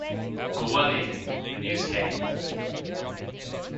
But one evening the news came.